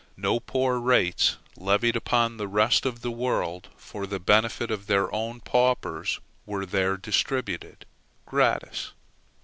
No poor rates levied upon the rest of the world for the benefit of their own paupers were there distributed gratis.